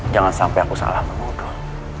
jangan sampai aku salah kemodol